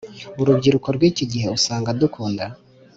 Urubyiruko rwiki gihe usanga dukunda